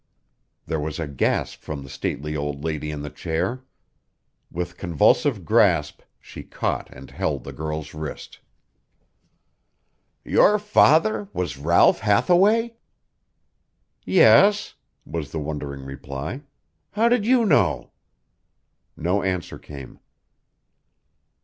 There was a gasp from the stately old lady in the chair. With convulsive grasp she caught and held the girl's wrist. "Your father was Ralph Hathaway?" "Yes," was the wondering reply. "How did you know?" No answer came.